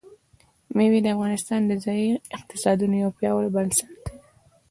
مېوې د افغانستان د ځایي اقتصادونو یو پیاوړی بنسټ دی.